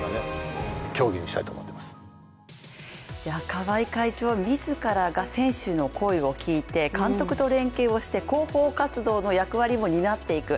川合会長自らが選手の声を聞いて監督と連携をして広報活動の役割も担っていく。